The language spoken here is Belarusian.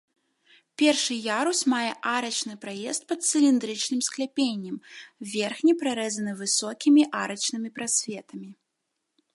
Першы ярус мае арачны праезд пад цыліндрычным скляпеннем, верхні прарэзаны высокімі арачнымі прасветамі.